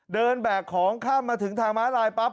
แบกของข้ามมาถึงทางม้าลายปั๊บ